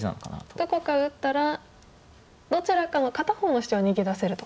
これどこか打ったらどちらかの片方のシチョウは逃げ出せると。